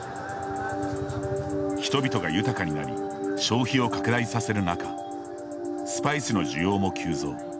人々が豊かになり消費を拡大させる中スパイスの需要も急増。